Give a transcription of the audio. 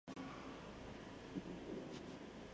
Distritos de condado por provincias.